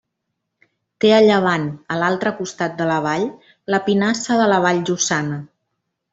Té a llevant, a l'altre costat de la vall, la Pinassa de la Vall Jussana.